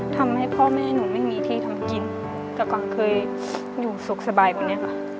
ทำให้พ่อแม่หนูไม่มีที่ทำกินแต่ก่อนเคยอยู่สุขสบายกว่านี้ค่ะ